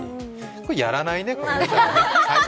これ、やらないね。